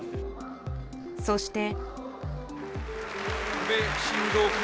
そして。